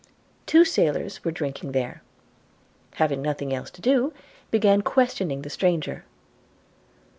Two sailors were drinking there, having nothing else to do, began questioning the stranger.